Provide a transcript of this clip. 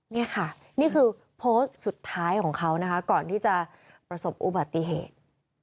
นี่ค่ะนี่คือโพสต์สุดท้ายของเขานะคะก่อนที่จะประสบอุบัติเหตุ